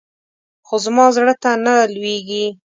خو زما زړه ته نه لوېږي.